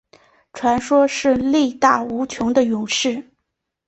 传说是力大无穷的勇士。